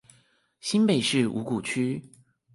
新北市五股區